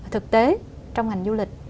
thực tế trong ngành du lịch